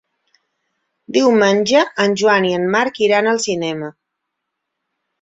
Diumenge en Joan i en Marc iran al cinema.